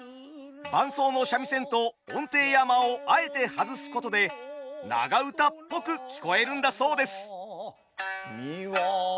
伴奏の三味線と音程や間をあえて外すことで長唄っぽく聞こえるんだそうです。